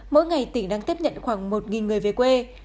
mỗi ngày tỉnh đang tiếp nhận khoảng một người về quê